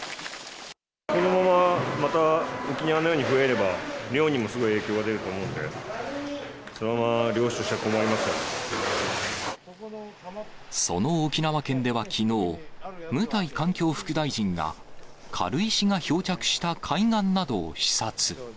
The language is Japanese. このまま、また、沖縄のように増えれば、漁にもすごい影響が出ると思うんで、それはまあ、漁師としては困その沖縄県ではきのう、務台環境副大臣が、軽石が漂着した海岸などを視察。